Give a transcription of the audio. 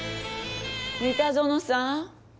三田園さん。